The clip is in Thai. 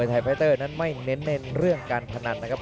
ขอบคุณครับ